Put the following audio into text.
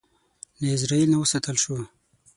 له ازرائیل نه وساتل شو.